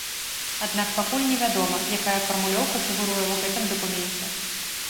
Аднак пакуль не вядома, якая фармулёўка фігуруе ў гэтым дакуменце.